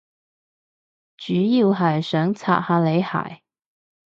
主要係想刷下你鞋